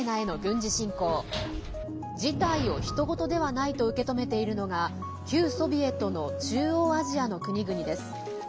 事態をひと事ではないと受け止めているのが旧ソビエトの中央アジアの国々です。